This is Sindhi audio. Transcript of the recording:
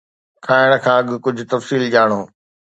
کائڻ کان اڳ ڪجھ تفصيل ڄاڻو